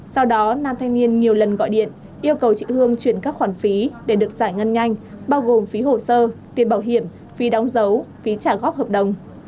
sau đó nam thanh niên nhiều lần gọi điện yêu cầu chị hương chuyển các khoản phí để được giải ngân nhanh bao gồm phí hồ sơ tiền bảo hiểm phí đóng dấu phí trả góp hợp đồng